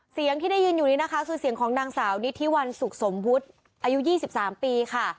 เสียงที่ได้ยืนอยู่นี่นะคะสูญเสียงของดังสาวนิทิวันสุขสมพุธอายุยี่สิบสามปีค่ะ